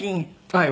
はい。